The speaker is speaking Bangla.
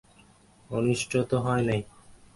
অনিষ্ট তো হয় নাই।